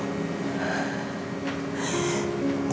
aku benar benar senang